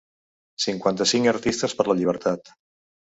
Cinquanta-cinc artistes per la llibertat.